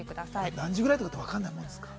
何時ぐらいかわからないものですか？